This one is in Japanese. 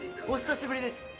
お久しぶりです。